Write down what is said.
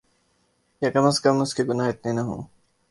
یاکم ازکم اس کے گناہ اتنے نہ ہوں۔